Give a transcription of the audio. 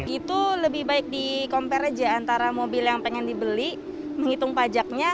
itu lebih baik di compare aja antara mobil yang pengen dibeli menghitung pajaknya